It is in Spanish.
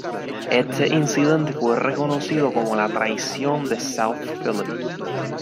Este incidente fue reconocido como "La traición de South Philly".